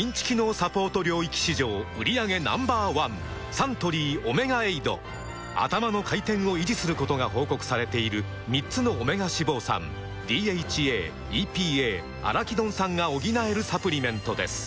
サントリー「オメガエイド」「アタマの回転」を維持することが報告されている３つのオメガ脂肪酸ＤＨＡ・ＥＰＡ・アラキドン酸が補えるサプリメントです